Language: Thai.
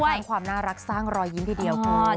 สร้างความน่ารักสร้างรอยยิ้มทีเดียวคุณ